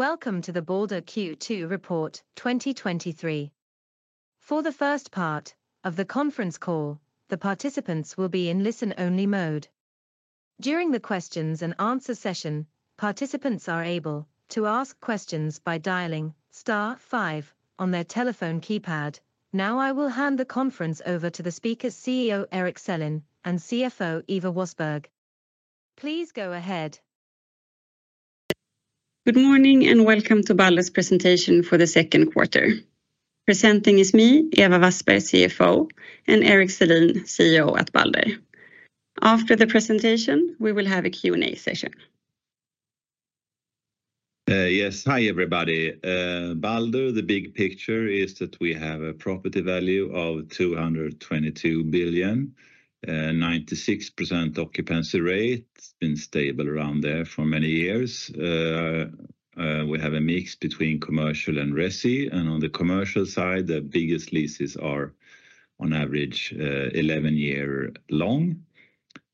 Welcome to the Balder Q2 Report 2023. For the first part of the conference call, the participants will be in listen-only mode. During the question-and-answer session, participants are able to ask questions by dialing star five on their telephone keypad. Now, I will hand the conference over to the speakers, CEO Erik Selin and CFO Ewa Wassberg. Please go ahead. Good morning, welcome to Balder's presentation for the second quarter. Presenting is me, Ewa Wassberg, CFO, and Erik Selin, CEO at Balder. After the presentation, we will have a Q&A session. Yes. Hi, everybody. Balder, the big picture is that we have a property value of 222 billion, 96% occupancy rate. It's been stable around there for many years. We have a mix between commercial and resi. On the commercial side, the biggest leases are, on average, 11-year long.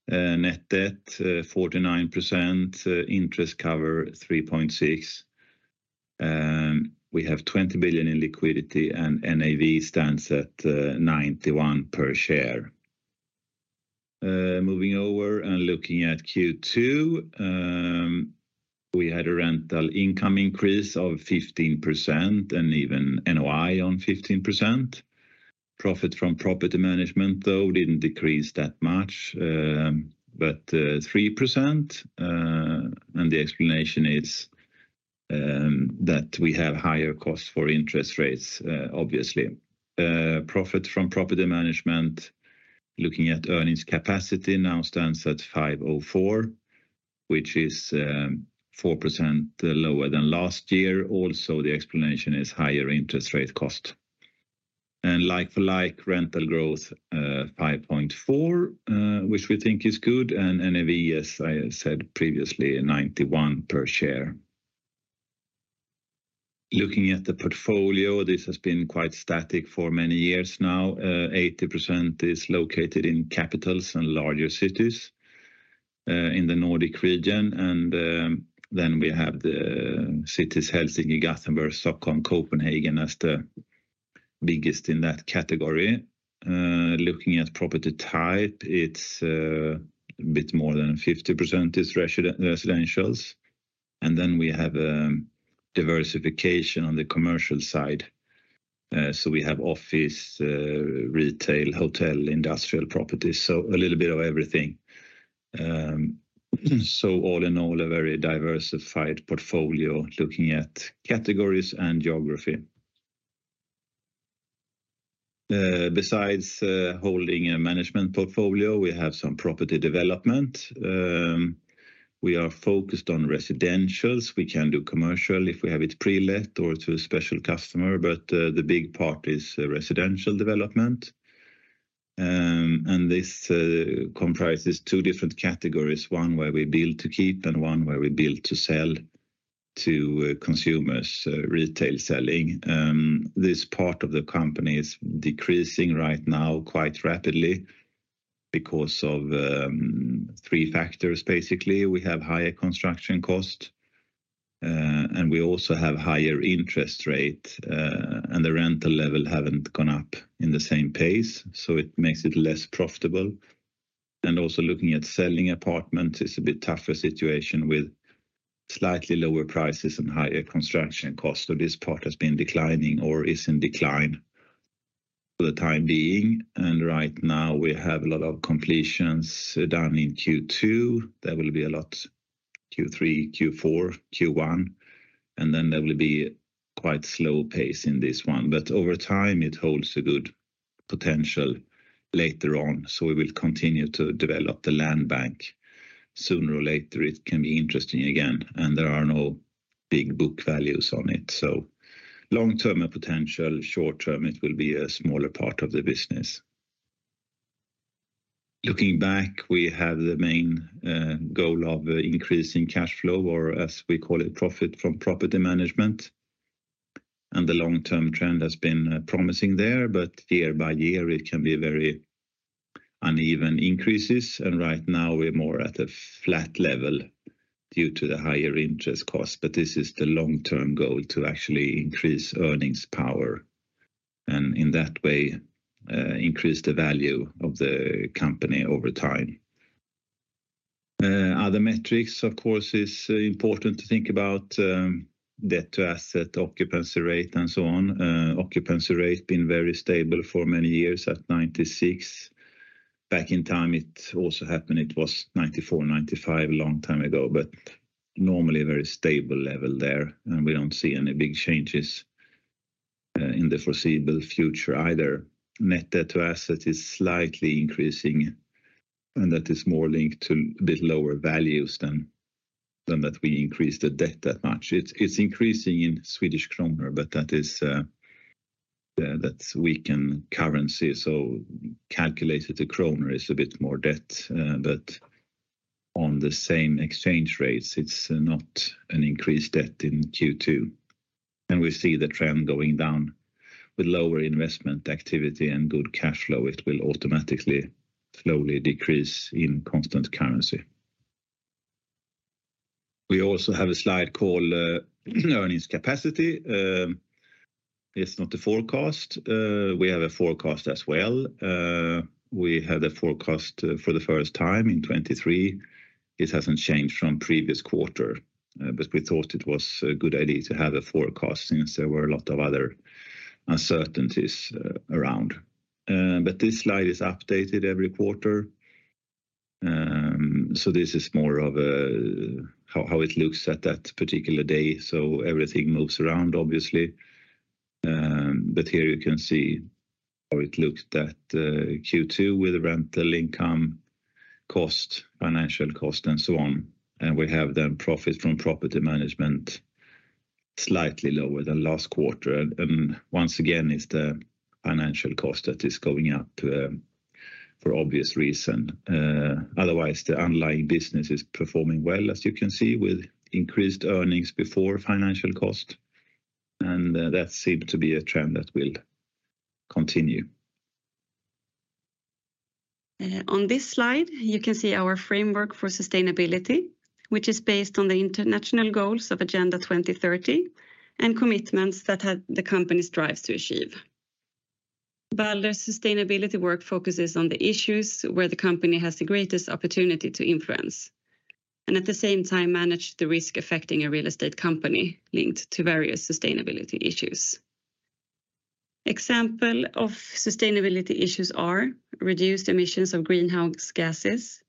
Net debt, 49%, interest cover, 3.6. We have 20 billion in liquidity, NAV stands at 91 per share. Moving over and looking at Q2, we had a rental income increase of 15%, even NOI on 15%. Profit from property management, though, didn't decrease that much, but 3%, the explanation is that we have higher costs for interest rates, obviously. Profit from property management, looking at earnings capacity, now stands at 504, which is 4% lower than last year. The explanation is higher interest rate cost. Like-for-like rental growth 5.4%, which we think is good, and NAV, as I said previously, 91 per share. Looking at the portfolio, this has been quite static for many years now. 80% is located in capitals and larger cities in the Nordic region. We have the cities, Helsinki, Gothenburg, Stockholm, Copenhagen, as the biggest in that category. Looking at property type, it's a bit more than 50% is residentials. We have diversification on the commercial side. We have office, retail, hotel, industrial properties, so a little bit of everything. All in all, a very diversified portfolio, looking at categories and geography. Besides, holding a management portfolio, we have some property development. We are focused on residentials. We can do commercial if we have it pre-let or it's a special customer, but the big part is residential development. This comprises two different categories, one where we build to keep, and one where we build to sell to consumers, retail selling. This part of the company is decreasing right now quite rapidly, because of three factors. Basically, we have higher construction cost, and we also have higher interest rate, and the rental level haven't gone up in the same pace, so it makes it less profitable. Also, looking at selling apartments, it's a bit tougher situation with slightly lower prices and higher construction costs, so this part has been declining or is in decline for the time being. Right now we have a lot of completions done in Q2. There will be a lot Q3, Q4, Q1, and then there will be quite slow pace in this one. Over time, it holds a good potential later on, so we will continue to develop the land bank. Sooner or later, it can be interesting again, and there are no big book values on it. Long term, a potential, short term, it will be a smaller part of the business. Looking back, we have the main goal of increasing cash flow, or as we call it, profit from property management, and the long-term trend has been promising there, but year by year, it can be very uneven increases. Right now we're more at a flat level due to the higher interest costs, but this is the long-term goal, to actually increase earnings power, and in that way, increase the value of the company over time. Other metrics, of course, it's important to think about, debt to asset, occupancy rate, and so on. Occupancy rate been very stable for many years at 96%. Back in time, it also happened, it was 94%, 95%, a long time ago, but normally a very stable level there, and we don't see any big changes in the foreseeable future either. Net debt to asset is slightly increasing, and that is more linked to a bit lower values than that we increased the debt that much. It's increasing in Swedish krona, but that is that's weakened currency, so calculated to krona, is a bit more debt, but on the same exchange rates, it's not an increased debt in Q2. We see the trend going down. With lower investment activity and good cash flow, it will automatically slowly decrease in constant currency. We also have a slide called earnings capacity. It's not a forecast. We have a forecast as well. We had a forecast for the first time in 2023. It hasn't changed from previous quarter, but we thought it was a good idea to have a forecast since there were a lot of other uncertainties around. This slide is updated every quarter. This is more of a, how it looks at that particular day, so everything moves around, obviously. Here you can see how it looked at Q2 with rental income, cost, financial cost, and so on. We have the profit from property management slightly lower than last quarter. Once again, it's the financial cost that is going up for obvious reason. Otherwise, the underlying business is performing well, as you can see, with increased earnings before financial cost, and that seemed to be a trend that will continue. On this slide, you can see our framework for sustainability, which is based on the international goals of Agenda 2030 and commitments that have the company strives to achieve. Balder's sustainability work focuses on the issues where the company has the greatest opportunity to influence, and at the same time, manage the risk affecting a real estate company linked to various sustainability issues. Example of sustainability issues are: reduced emissions of greenhouse gases,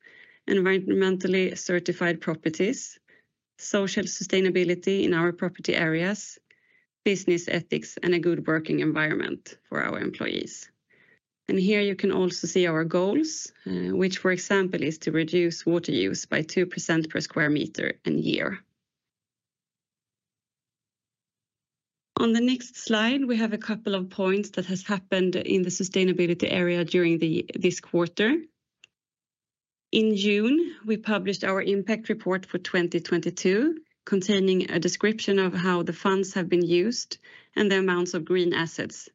environmentally certified properties, social sustainability in our property areas, business ethics, and a good working environment for our employees. Here, you can also see our goals, which, for example, is to reduce water use by 2% per square meter in a year. On the next slide, we have a couple of points that has happened in the sustainability area during this quarter. In June, we published our impact report for 2022, containing a description of how the funds have been used and the amounts of green assets,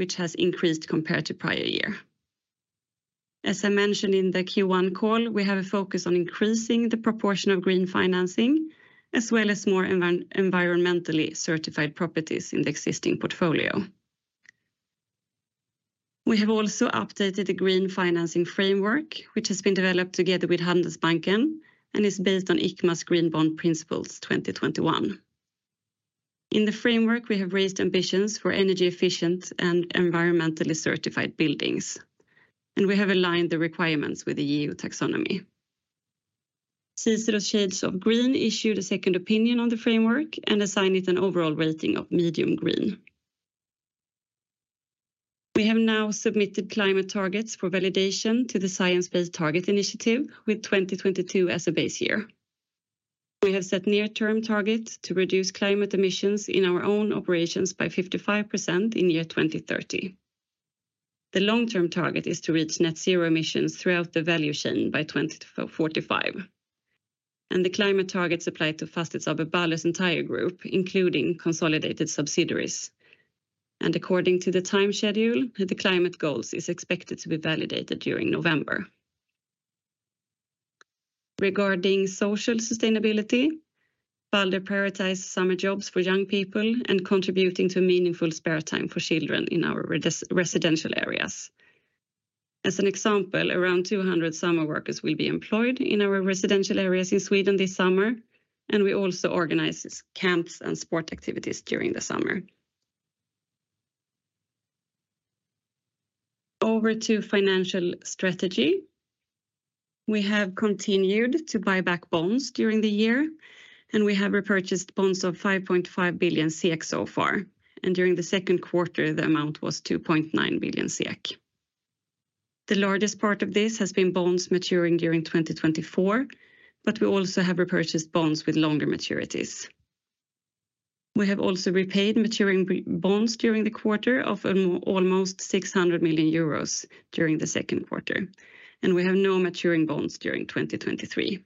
which has increased compared to prior year. As I mentioned in the Q1 call, we have a focus on increasing the proportion of green financing, as well as more environmentally certified properties in the existing portfolio. We have also updated the green financing framework, which has been developed together with Handelsbanken, and is based on ICMA's Green Bond Principles 2021. In the framework, we have raised ambitions for energy efficient and environmentally certified buildings, and we have aligned the requirements with the EU Taxonomy. CICERO Shades of Green issued a second opinion on the framework and assigned it an overall rating of Medium Green. We have now submitted climate targets for validation to the Science Based Targets initiative, with 2022 as a base year. We have set near-term targets to reduce climate emissions in our own operations by 55% in year 2030. The long-term target is to reach net zero emissions throughout the value chain by 2045. The climate targets apply to facets of Balder's entire group, including consolidated subsidiaries. According to the time schedule, the climate goals is expected to be validated during November. Regarding social sustainability, Balder prioritized summer jobs for young people and contributing to meaningful spare time for children in our residential areas. As an example, around 200 summer workers will be employed in our residential areas in Sweden this summer. We also organize camps and sport activities during the summer. Over to financial strategy. We have continued to buy back bonds during the year. We have repurchased bonds of 5.5 billion so far. During the second quarter, the amount was 2.9 billion. The largest part of this has been bonds maturing during 2024, but we also have repurchased bonds with longer maturities. We have also repaid maturing bonds during the quarter of 600 million euros during the second quarter. We have no maturing bonds during 2023.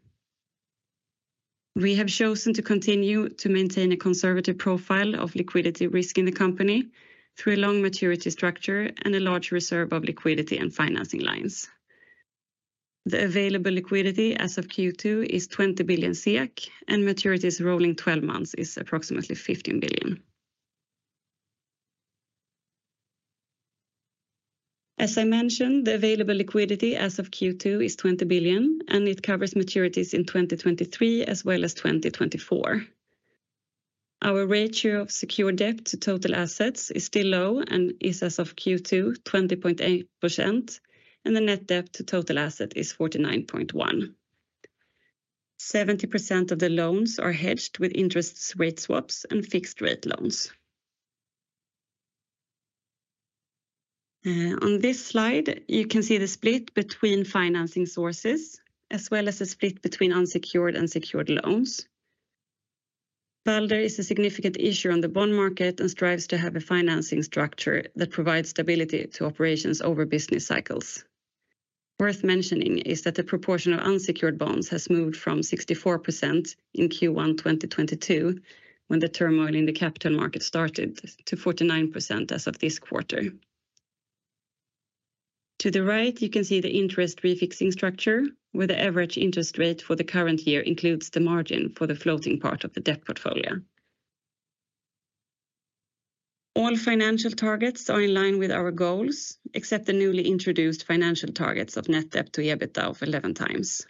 We have chosen to continue to maintain a conservative profile of liquidity risk in the company through a long maturity structure and a large reserve of liquidity and financing lines. The available liquidity as of Q2 is 20 billion. Maturities rolling 12 months is approximately 15 billion. As I mentioned, the available liquidity as of Q2 is 20 billion. It covers maturities in 2023, as well as 2024. Our ratio of secure debt to total assets is still low and is, as of Q2, 20.8%. The net debt to total asset is 49.1%. 70% of the loans are hedged with interest rate swaps and fixed-rate loans. On this slide, you can see the split between financing sources, as well as the split between unsecured and secured loans. Balder is a significant issuer on the bond market and strives to have a financing structure that provides stability to operations over business cycles. Worth mentioning is that the proportion of unsecured bonds has moved from 64% in Q1, 2022, when the turmoil in the capital market started, to 49% as of this quarter. To the right, you can see the interest refixing structure, where the average interest rate for the current year includes the margin for the floating part of the debt portfolio. All financial targets are in line with our goals, except the newly introduced financial targets of net debt to EBITDA of 11x.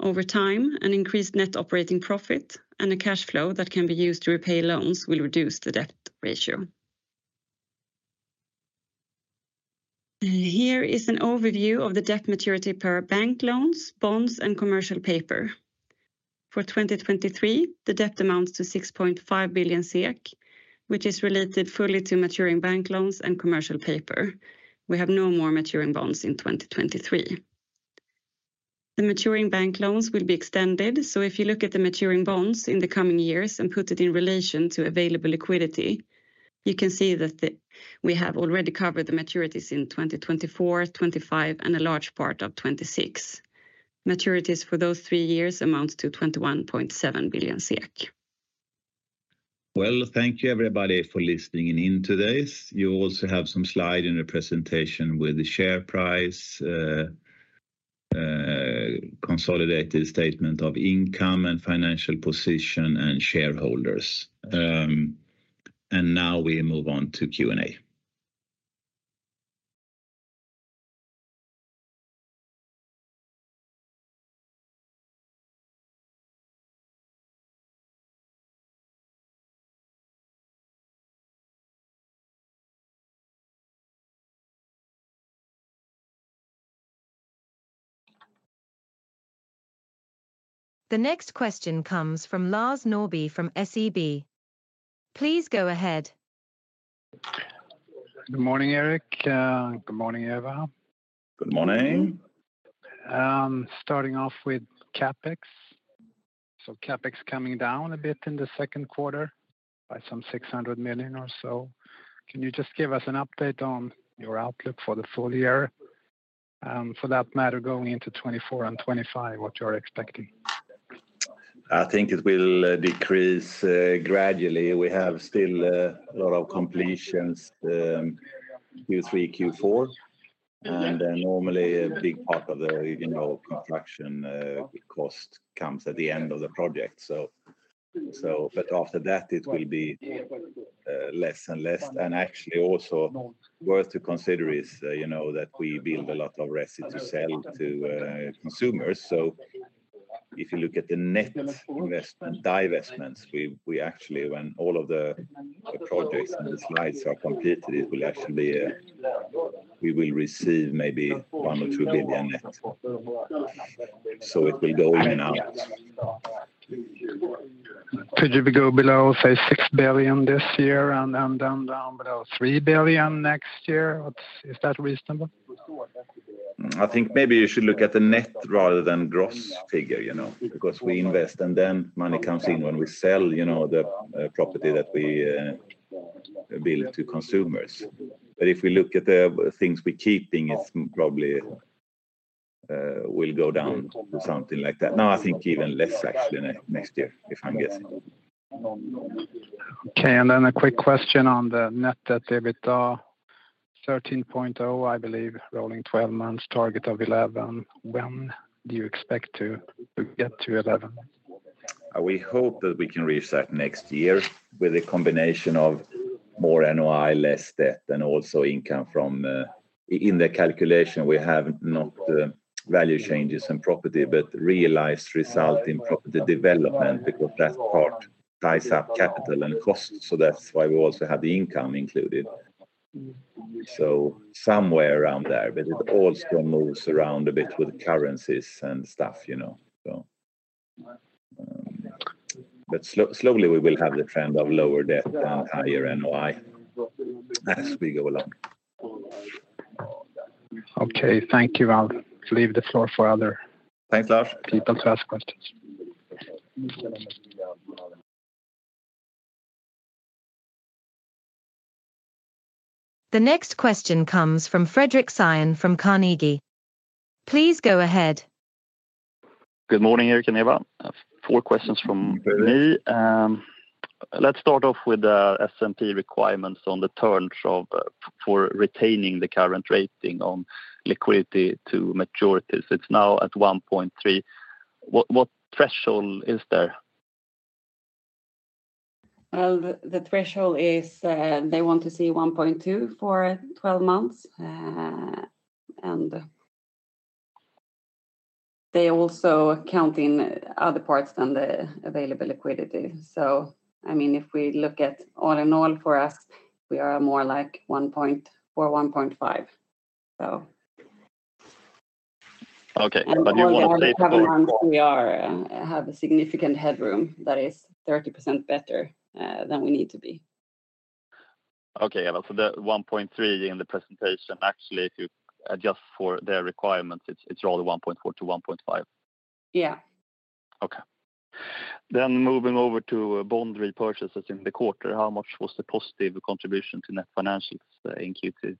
Over time, an increased net operating profit and a cash flow that can be used to repay loans will reduce the debt ratio. Here is an overview of the debt maturity per bank loans, bonds, and commercial paper. For 2023, the debt amounts to 6.5 billion SEK, which is related fully to maturing bank loans and commercial paper. We have no more maturing bonds in 2023. The maturing bank loans will be extended, so if you look at the maturing bonds in the coming years and put it in relation to available liquidity, you can see that we have already covered the maturities in 2024, 2025, and a large part of 2026. Maturities for those three years amounts to 21.7 billion. Well, thank you, everybody, for listening in today. You also have some slide in the presentation with the share price, consolidated statement of income and financial position and shareholders. Now we move on to Q&A. The next question comes from Lars Norrby from SEB. Please go ahead. Good morning, Erik. Good morning, Ewa. Good morning. Starting off with CapEx. CapEx coming down a bit in the second quarter by some 600 million or so. Can you just give us an update on your outlook for the full year, for that matter, going into 2024 and 2025, what you are expecting? I think it will decrease gradually. We have still a lot of completions, Q3, Q4. Normally a big part of the, you know, construction cost comes at the end of the project. After that, it will be less and less. Actually, also worth to consider is, you know, that we build a lot of residences to sell to consumers. If you look at the net investment, divestments, we actually when all of the projects and the slides are completed, it will actually. We will receive maybe 1 billion-2 billion net. It will go in and out. Could you go below, say, 6 billion this year and down below 3 billion next year? Is that reasonable? I think maybe you should look at the net rather than gross figure, you know, because we invest, and then money comes in when we sell, you know, the property that we build to consumers. If we look at the things we're keeping, it's probably will go down to something like that. I think even less actually next year, if I'm guessing. Okay, a quick question on the net debt to EBITDA. 13.0x, I believe, rolling 12 months, target of 11x. When do you expect to get to 11x? We hope that we can reach that next year with a combination of more NOI, less debt, and also income from. In the calculation, we have not the value changes in property, but realized result in property development because that part ties up capital and cost. That's why we also have the income included. Somewhere around there, but it also moves around a bit with currencies and stuff, you know. Slowly, we will have the trend of lower debt and higher NOI as we go along. Okay, thank you. I'll leave the floor for other people to ask questions. The next question comes from Fredrik Sayegh from Carnegie. Please go ahead. Good morning, Erik and Ewa. I have four questions from me. Let's start off with the S&P requirements on the terms of for retaining the current rating on liquidity to maturities. It's now at 1.3x. What threshold is there? The threshold is, they want to see 1.2x for 12 months, they also count in other parts than the available liquidity. I mean, if we look at all in all for us, we are more like 1.4x, 1.5x. Okay, you want to say- We are, have a significant headroom that is 30% better, than we need to be. Ewa, the 1.3x in the presentation, actually, if you adjust for their requirements, it's rather 1.4x-1.5x. Yeah. Okay. Moving over to bond repurchases in the quarter, how much was the positive contribution to net financials in Q2?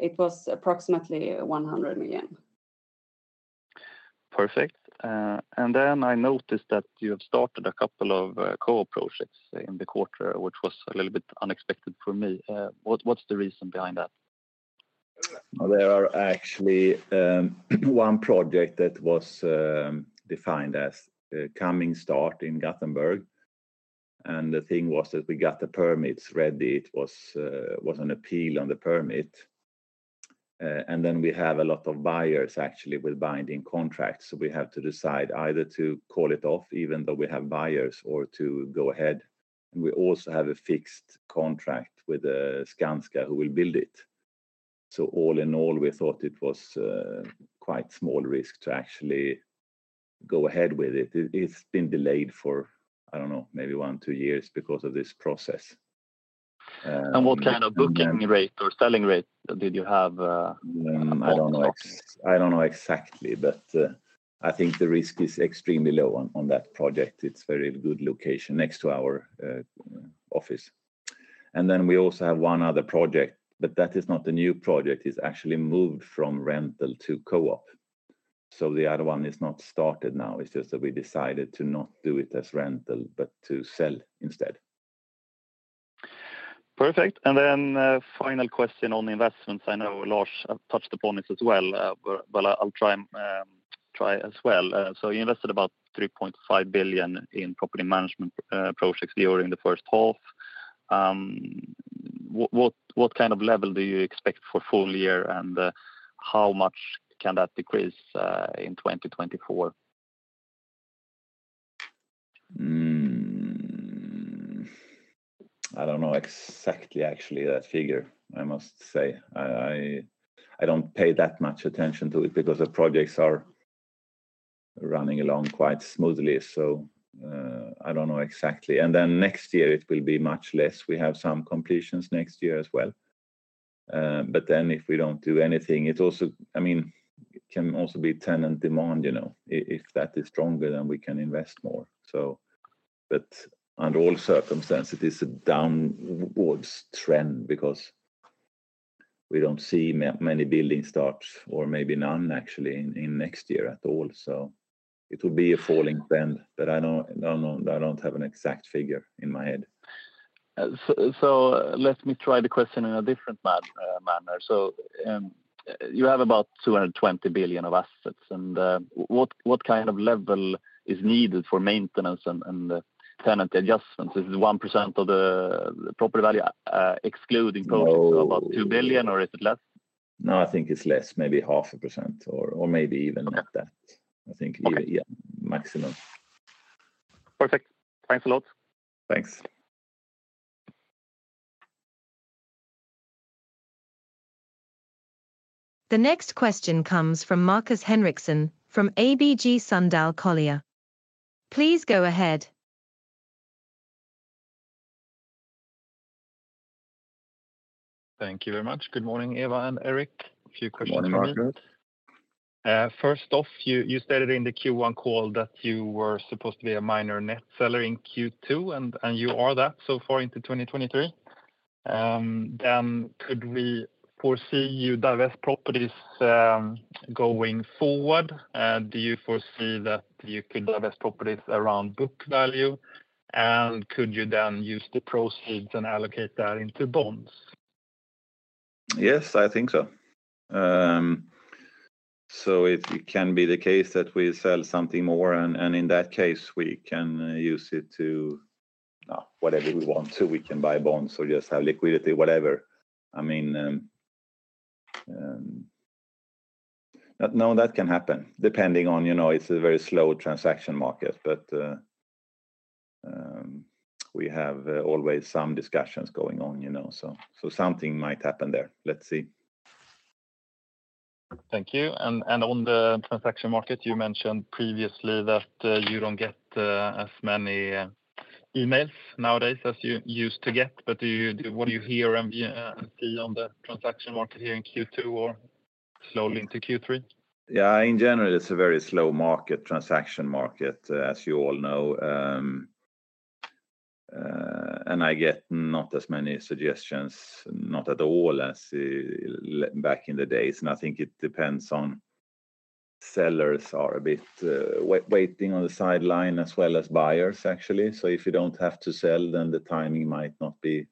It was approximately 100 million. Perfect. Then I noticed that you have started a couple of co-op projects in the quarter, which was a little bit unexpected for me. What's the reason behind that? Well, there are actually, one project that was, defined as, coming start in Gothenburg, the thing was that we got the permits ready. It was an appeal on the permit. Then we have a lot of buyers actually with binding contracts, so we have to decide either to call it off, even though we have buyers, or to go ahead. We also have a fixed contract with, Skanska, who will build it. All in all, we thought it was, quite small risk to actually go ahead with it. It's been delayed for, I don't know, maybe one, two years because of this process. What kind of booking rate or selling rate did you have, at the top? I don't know exactly, but I think the risk is extremely low on that project. It's very good location, next to our office. Then we also have one other project, but that is not a new project. It's actually moved from rental to co-op. The other one is not started now, it's just that we decided to not do it as rental, but to sell instead. Perfect. Then, final question on the investments. I know Lars touched upon it as well, but I'll try as well. You invested about 3.5 billion in property management projects during the first half. What kind of level do you expect for full year, and how much can that decrease in 2024? I don't know exactly, actually, that figure, I must say. I don't pay that much attention to it because the projects are running along quite smoothly. I don't know exactly. Next year it will be much less. We have some completions next year as well. If we don't do anything, I mean, it can also be tenant demand, you know. If that is stronger, we can invest more, so. Under all circumstance, it is a downwards trend because we don't see many building starts or maybe none actually, in next year at all. It will be a falling trend, but I don't, I don't know, I don't have an exact figure in my head. Let me try the question in a different manner. You have about 220 billion of assets, and what kind of level is needed for maintenance and tenant adjustments? Is it 1% of the property value, excluding properties, about 2 billion or is it less? No, I think it's less, maybe half a percent or maybe even not that. Okay. I think even, yeah, maximum. Perfect. Thanks a lot. Thanks. The next question comes from Markus Henriksson, from ABG Sundal Collier. Please go ahead. Thank you very much. Good morning, Eva and Erik. A few questions for you. Good morning, Marcus. First off, you stated in the Q1 call that you were supposed to be a minor net seller in Q2, you are that so far into 2023. Could we foresee you divest properties going forward? Do you foresee that you could divest properties around book value? Could you then use the proceeds and allocate that into bonds? Yes, I think so. It can be the case that we sell something more, and in that case, we can use it to, whatever we want to. We can buy bonds or just have liquidity, whatever. I mean, No, that can happen, depending on, you know, it's a very slow transaction market, but we have always some discussions going on, you know, so something might happen there. Let's see. Thank you. On the transaction market, you mentioned previously that you don't get as many emails nowadays as you used to get. What do you hear and see on the transaction market here in Q2 or slowly into Q3? Yeah, in general, it's a very slow market, transaction market, as you all know. I get not as many suggestions, not at all, as back in the days. I think it depends on sellers are a bit waiting on the sideline as well as buyers, actually. If you don't have to sell, then the timing might not be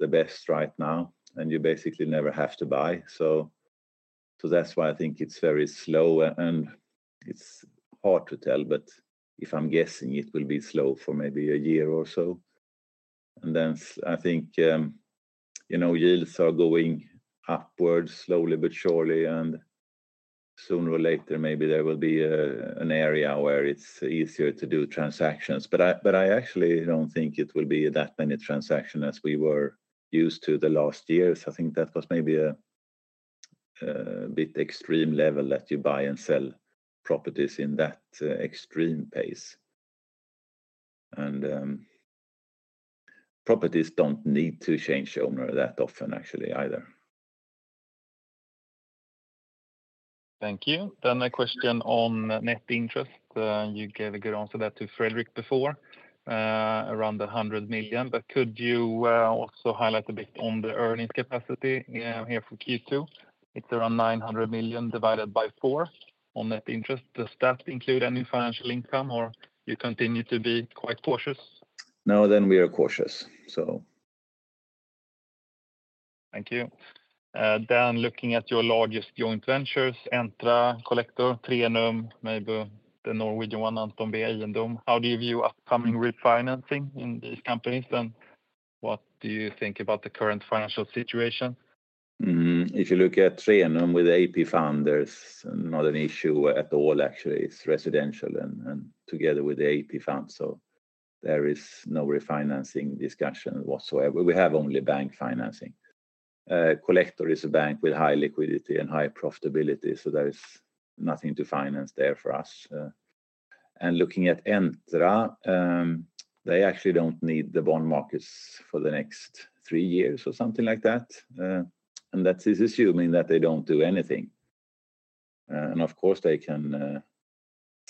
the best right now, and you basically never have to buy. So that's why I think it's very slow, and it's hard to tell, if I'm guessing, it will be slow for maybe a year or so. Then I think, you know, yields are going upwards slowly but surely, and sooner or later, maybe there will be an area where it's easier to do transactions. But I actually don't think it will be that many transaction as we were used to the last years. I think that was maybe a bit extreme level, that you buy and sell properties in that extreme pace. Properties don't need to change owner that often, actually, either. Thank you. A question on net interest. you gave a good answer that to Fredrik before, around 100 million. Could you, also highlight a bit on the earnings capacity, here from Q2? It's around 900 million divided by 4 on net interest. Does that include any financial income, or you continue to be quite cautious? No, we are cautious, so. Thank you. Looking at your largest joint ventures, Entra, Collector, Trenum, maybe the Norwegian one, Anthon Eiendom. How do you view upcoming refinancing in these companies, and what do you think about the current financial situation? If you look at Trenum with AP3, there's not an issue at all, actually. It's residential and together with the AP3, there is no refinancing discussion whatsoever. We have only bank financing. Collector is a bank with high liquidity and high profitability, so there is nothing to finance there for us. Looking at Entra, they actually don't need the bond markets for the next three years or something like that. That is assuming that they don't do anything. Of course, they can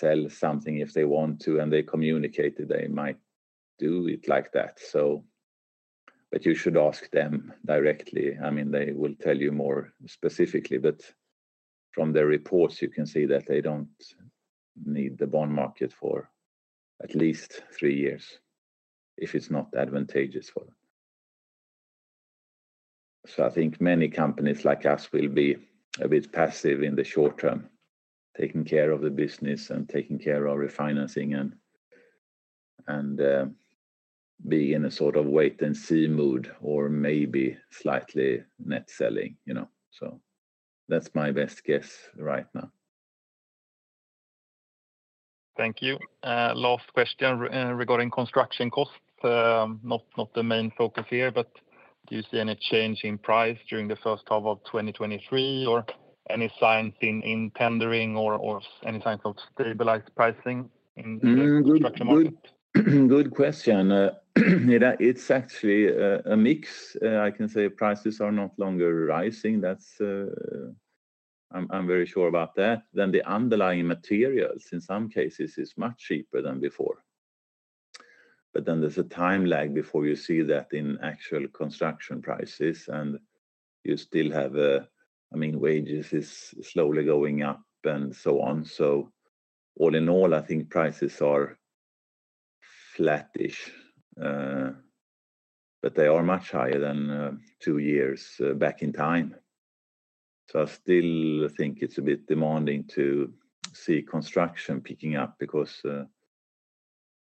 sell something if they want to, and they communicated they might do it like that, so. You should ask them directly. I mean, they will tell you more specifically, but from their reports, you can see that they don't need the bond market for at least three years if it's not advantageous for them. I think many companies like us will be a bit passive in the short term, taking care of the business and taking care of refinancing and be in a sort of wait-and-see mood, or maybe slightly net selling, you know. That's my best guess right now. Thank you. Last question regarding construction costs. Not the main focus here, but do you see any change in price during the first half of 2023, or any signs in tendering or any signs of stabilized pricing in the construction market? Good question. It's actually a mix. I can say prices are no longer rising. That's... I'm very sure about that. The underlying materials, in some cases, is much cheaper than before. There's a time lag before you see that in actual construction prices, I mean, wages is slowly going up and so on. All in all, I think prices are flattish, but they are much higher than 2 years back in time. I still think it's a bit demanding to see construction picking up because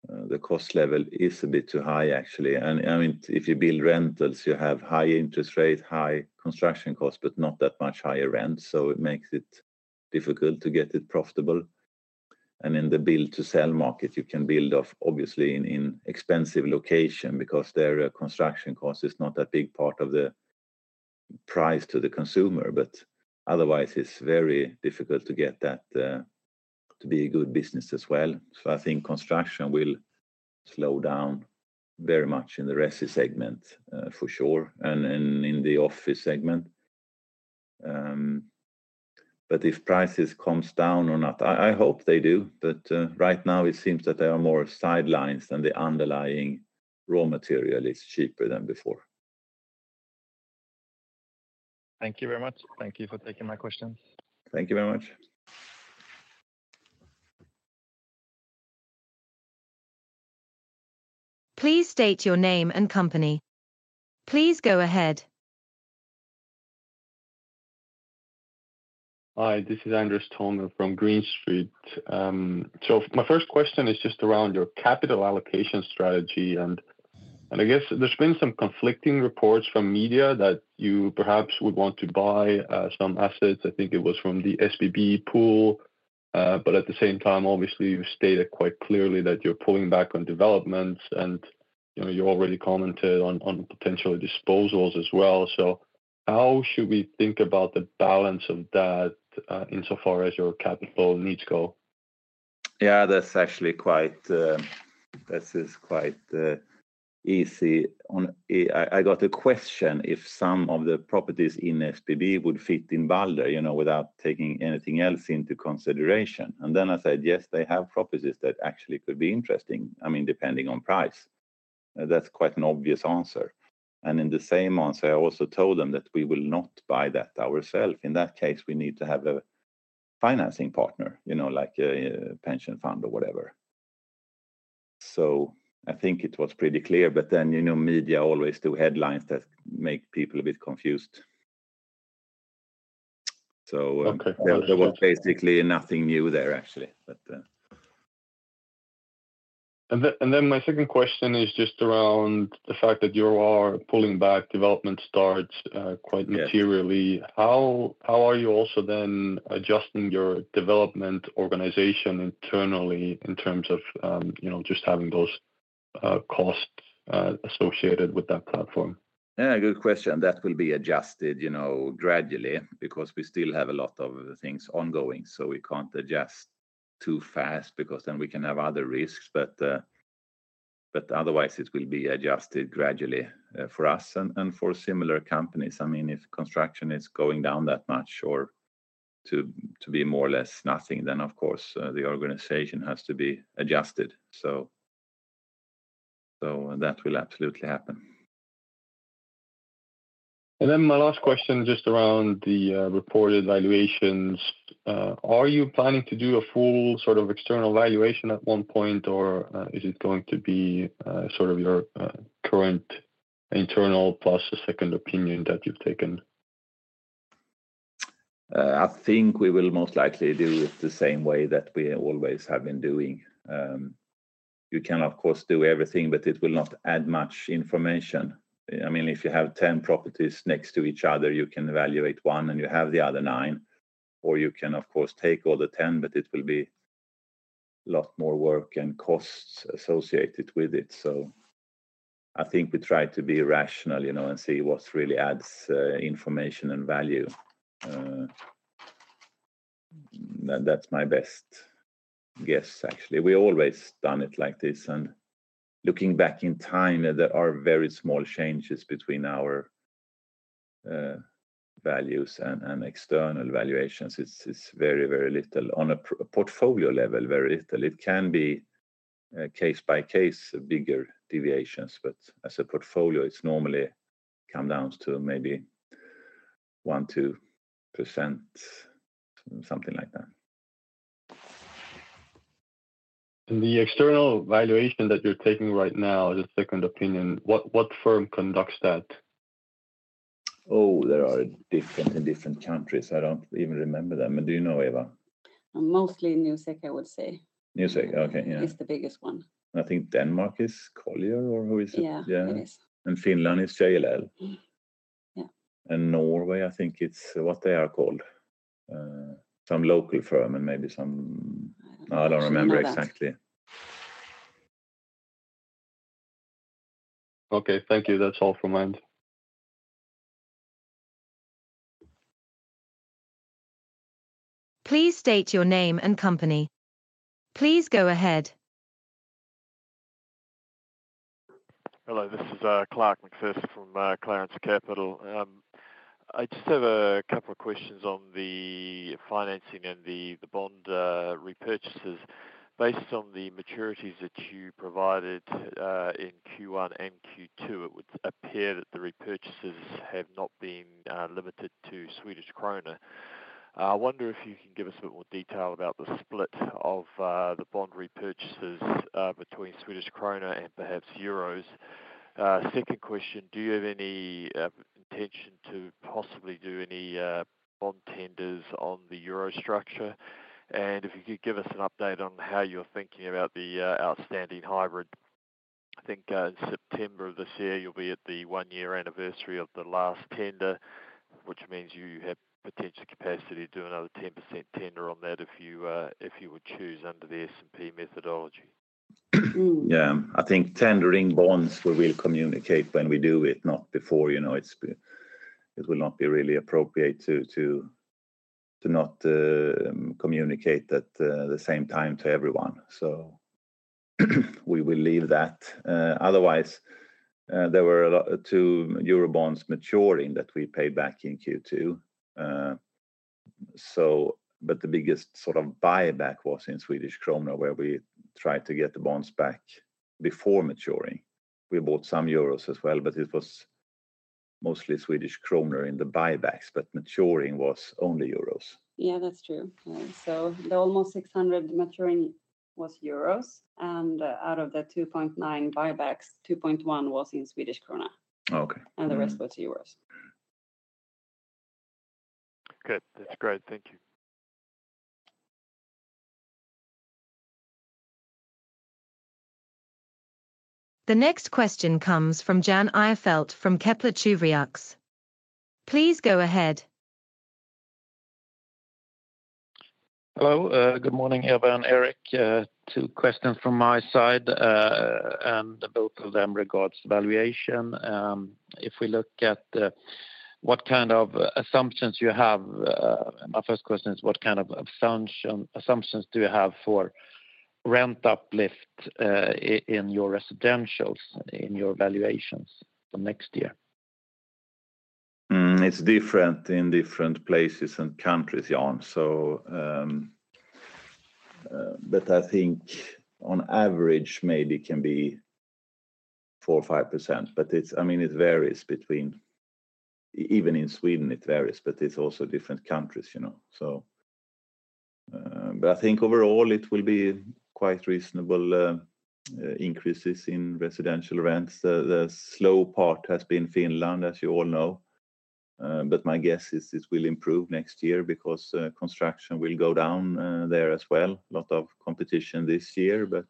the cost level is a bit too high, actually. I mean, if you build rentals, you have high interest rate, high construction costs, but not that much higher rent, so it makes it difficult to get it profitable. In the build-to-sell market, you can build off, obviously, in expensive location, because there the construction cost is not a big part of the price to the consumer. Otherwise, it's very difficult to get that to be a good business as well. I think construction will slow down very much in the resi segment, for sure, and in the office segment. If prices comes down or not, I hope they do, but right now it seems that they are more sidelines than the underlying raw material is cheaper than before. Thank you very much. Thank you for taking my questions. Thank you very much. Please state your name and company. Please go ahead. Hi, this is Anders Torbenson from Green Street. My first question is just around your capital allocation strategy, and I guess there's been some conflicting reports from media that you perhaps would want to buy some assets. I think it was from the SBB pool. At the same time, obviously, you've stated quite clearly that you're pulling back on developments and, you know, you already commented on potential disposals as well. How should we think about the balance of that insofar as your capital needs go? That's actually quite easy. I got a question if some of the properties in SBB would fit in Balder, you know, without taking anything else into consideration. I said, "Yes, they have properties that actually could be interesting, I mean, depending on price." That's quite an obvious answer. In the same answer, I also told them that we will not buy that ourself. In that case, we need to have a financing partner, you know, like a pension fund or whatever. I think it was pretty clear. Then, you know, media always do headlines that make people a bit confused. Okay. There was basically nothing new there, actually, but. Then my second question is just around the fact that you are pulling back development starts materially. How are you also then adjusting your development organization internally in terms of, you know, just having those costs associated with that platform? Yeah, good question. That will be adjusted, you know, gradually, because we still have a lot of things ongoing, so we can't adjust too fast because then we can have other risks. Otherwise it will be adjusted gradually for us and for similar companies. I mean, if construction is going down that much or to be more or less nothing, then of course, the organization has to be adjusted. That will absolutely happen. My last question, just around the reported valuations, are you planning to do a full sort of external valuation at one point, or is it going to be sort of your current internal plus a second opinion that you've taken? I think we will most likely do it the same way that we always have been doing. You can of course, do everything, but it will not add much information. I mean, if you have 10 properties next to each other, you can evaluate one and you have the other nine, or you can of course, take all the 10, but it will be a lot more work and costs associated with it. I think we try to be rational, you know, and see what really adds information and value. That's my best guess, actually. We always done it like this, and looking back in time, there are very small changes between our values and external valuations. It's very, very little. On a portfolio level, very little. It can be, case by case, bigger deviations, but as a portfolio, it's normally come down to maybe 1%, 2%, something like that. The external valuation that you're taking right now, the second opinion, what firm conducts that? There are different in different countries. I don't even remember them. Do you know, Ewa? Mostly Newsec, I would say. Newsec, okay. Yeah. It's the biggest one. I think Denmark is Colliers or who is it? Yeah, it is. Yeah. Finland is JLL. Yeah. Norway, I think it's. What they are called? Some local firm and maybe. I don't know. I don't remember exactly. Okay, thank you. That's all from my end. Please state your name and company. Please go ahead. Hello, this is Clark McPherson from Clearance Capital. I just have a couple of questions on the financing and the bond repurchases. Based on the maturities that you provided in Q1 and Q2, it would appear that the repurchases have not been limited to Swedish krona. I wonder if you can give us a bit more detail about the split of the bond repurchases between Swedish krona and perhaps euros. Second question, do you have any intention to possibly do any bond tenders on the euro structure? If you could give us an update on how you're thinking about the outstanding hybrid. I think, in September of this year, you'll be at the one-year anniversary of the last tender, which means you have potential capacity to do another 10% tender on that if you would choose under the S&P methodology. Yeah, I think tendering bonds, we will communicate when we do it, not before. You know, it will not be really appropriate to not communicate at the same time to everyone. We will leave that. Otherwise, there were 2 euro bonds maturing that we paid back in Q2. But the biggest sort of buyback was in Swedish krona, where we tried to get the bonds back before maturing. We bought some euros as well, but it was mostly Swedish krona in the buybacks, but maturing was only euros. Yeah, that's true. The almost 600 million maturing was, and out of the 2.9 billion buybacks, 2.1 billion was in SEK. Okay. The rest was euros. Okay, that's great. Thank you. The next question comes from Jan Ihrfelt from Kepler Cheuvreux. Please go ahead. Hello. Good morning, Ewa and Erik. Two questions from my side. Both of them regards valuation. If we look at what kind of assumptions you have, my first question is, what kind of assumptions do you have for rent uplift in your residentials, in your valuations for next year? It's different in different places and countries, Jan. I think on average, maybe it can be 4% or 5%, but I mean, it varies between, even in Sweden, it varies, but it's also different countries, you know. I think overall it will be quite reasonable increases in residential rents. The slow part has been Finland, as you all know. My guess is it will improve next year because construction will go down there as well. A lot of competition this year, but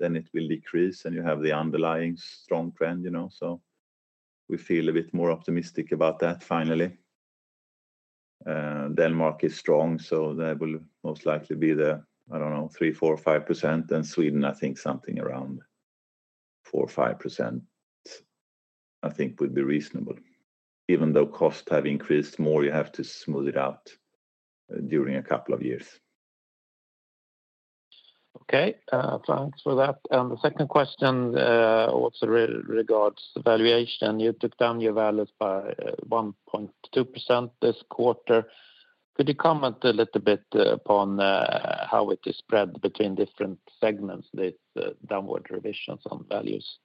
then it will decrease, and you have the underlying strong trend, you know, so we feel a bit more optimistic about that, finally. Denmark is strong, that will most likely be the, I don't know, 3%, 4%, 5%. Sweden, I think something around 4% or 5%. I think would be reasonable. Costs have increased more, you have to smooth it out, during a couple of years. Okay, thanks for that. The second question, also regards the valuation. You took down your values by 1.2% this quarter. Could you comment a little bit upon how it is spread between different segments, the downward revisions on values?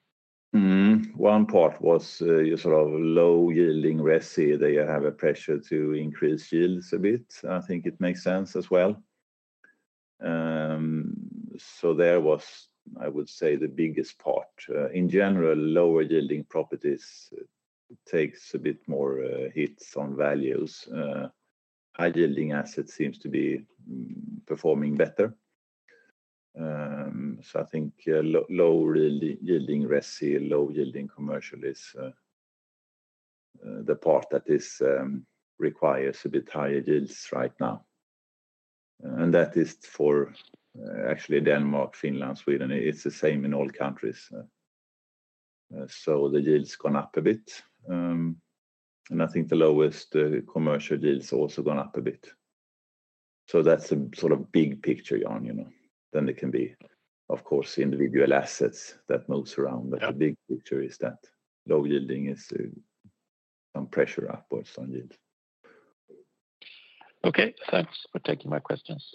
One part was your sort of low-yielding resi. They have a pressure to increase yields a bit. I think it makes sense as well. There was, I would say, the biggest part. In general, lower-yielding properties takes a bit more hits on values. High-yielding assets seems to be performing better. I think low-yielding resi, low-yielding commercial is the part that requires a bit higher yields right now. That is for actually Denmark, Finland, Sweden. It's the same in all countries. The yield's gone up a bit, and I think the lowest commercial yields have also gone up a bit. That's a sort of big picture, Jan, you know. There can be, of course, individual assets that moves around. The big picture is that low-yielding is some pressure upwards on yields. Okay, thanks for taking my questions.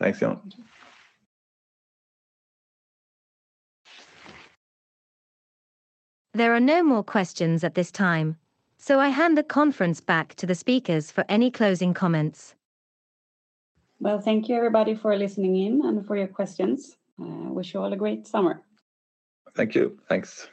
Thanks, Jan. There are no more questions at this time. I hand the conference back to the speakers for any closing comments. Well, thank you, everybody, for listening in and for your questions. I wish you all a great summer. Thank you. Thanks.